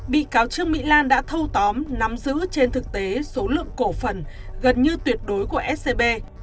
bị cáo trương mỹ lan đã thâu tóm nắm giữ trên thực tế số lượng cổ phần gần như tuyệt đối của scb